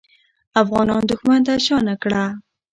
افغانان دښمن ته شا نه کړه.